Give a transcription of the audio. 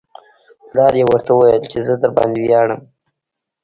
پلار یې ورته وویل چې زه درباندې ویاړم